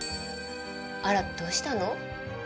あらどうしたの？